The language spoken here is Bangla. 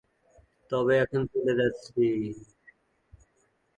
তবে এখন চলে যাচ্ছি।